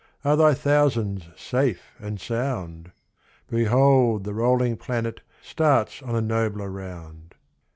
Are thy thousands safe and sound? Behold! the rolling planet Starts on a nobler round.